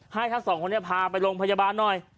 ทั้งสองคนนี้พาไปโรงพยาบาลหน่อย